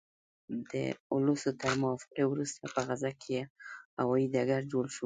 د اوسلو تر موافقې وروسته په غزه کې هوايي ډګر جوړ شو.